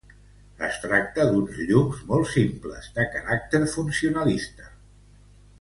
Es tracta d'uns llums molt simples, de caràcter funcionalista.